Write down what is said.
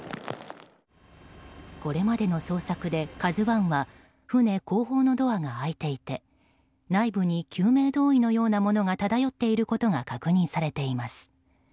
これまでの捜索で「ＫＡＺＵ１」は船後方のドアが開いていて内部に救命胴衣のようなものが漂っていることが確認されています。